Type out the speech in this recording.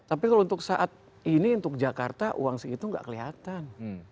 tapi kalau untuk saat ini untuk jakarta uang segitu nggak kelihatan